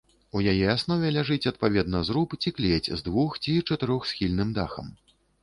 У яе аснове ляжыць адпаведна зруб ці клець з двух- ці чатырохсхільным дахам.